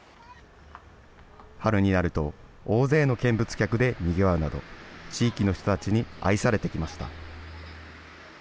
春になると大勢の見物客でにぎわうなど、地域の人たちに愛されてきました。